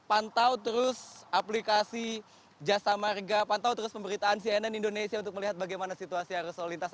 pantau terus aplikasi jasa marga pantau terus pemberitaan cnn indonesia untuk melihat bagaimana situasi arus lalu lintas